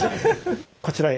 こちらへ。